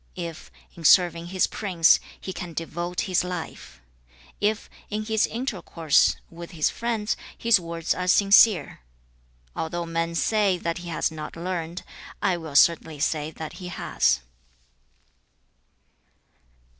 if, in serving his prince, he can devote his life; if, in his intercourse with his friends, his words are sincere: although men say that he has not learned, I will certainly say that he has.'